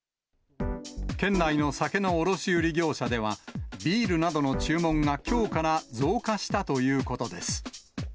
県内の酒の卸売り業者では、ビールなどの注文がきょうから増加したということです。